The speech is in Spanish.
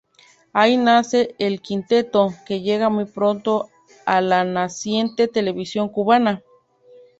Ahí nace el quinteto, que llega muy pronto a la naciente televisión cubana.